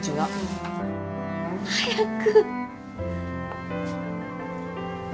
早く。